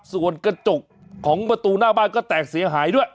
ส่วนกระจกของประตูหน้าบ้านก็แตกเสียหายด้วย